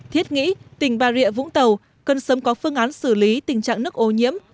thiết nghĩ tỉnh bà rịa vũng tàu cần sớm có phương án xử lý tình trạng nước ô nhiễm